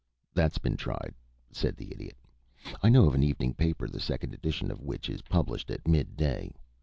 "That's been tried," said the Idiot. "I know of an evening paper the second edition of which is published at mid day.